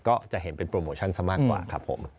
ก็จะเห็นเป็นโปรโมชั่นซะมากกว่าครับผม